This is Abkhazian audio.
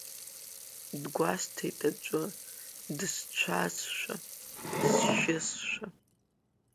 Дгәасҭеит аӡәы дысцәазшәа, дысжьызшәа…